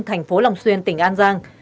thành phố long xuyên tỉnh an giang